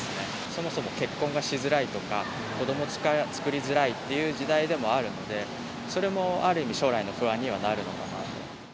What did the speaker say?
そもそも結婚がしづらいとか、子どもを作りづらいっていう時代でもあるんで、それもある意味、将来の不安にはなるのかなと。